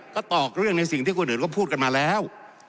ก็ตอกเรื่องในสิ่งที่คนอื่นก็พูดกันมาแล้ว